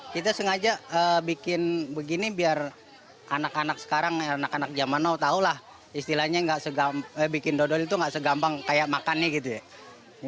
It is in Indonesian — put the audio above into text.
kita sengaja bikin begini biar anak anak sekarang anak anak zaman now tahu lah istilahnya bikin dodol itu nggak segampang kayak makannya gitu ya